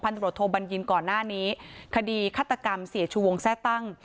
ตำรวจโทบัญญินก่อนหน้านี้คดีฆาตกรรมเสียชูวงแทร่ตั้ง